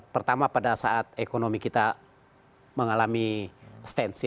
pertama pada saat ekonomi kita mengalami stensi